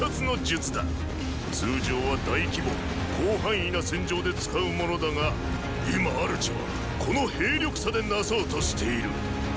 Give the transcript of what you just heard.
通常は大規模・広範囲な戦場で使うものだが今主はこの兵力差で成そうとしている。